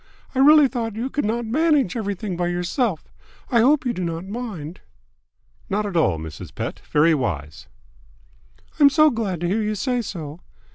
I really thought you could not manage everything by yourself. I hope you do not mind." "Not at all, Mrs. Pett. Very wise." "I'm so glad to hear you say so."